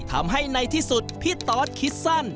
ทำให้ในที่สุดพี่ตอสคิดสั้น